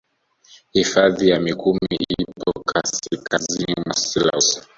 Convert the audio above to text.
Hifadhi ya mikumi ipo kasikazini mwa selous